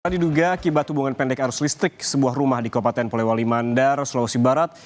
diduga akibat hubungan pendek arus listrik sebuah rumah di kabupaten polewali mandar sulawesi barat